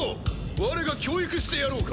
われが教育してやろうか？